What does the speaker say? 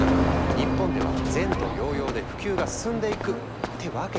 日本では前途洋々で普及が進んでいく！ってわけでもない。